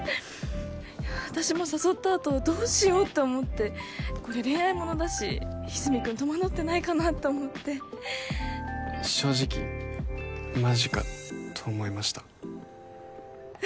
私も誘ったあとどうしようって思ってこれ恋愛ものだし和泉君戸惑ってないかなと思って正直マジかと思いました